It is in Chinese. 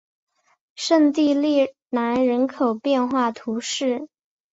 圣蒂兰人口变化图示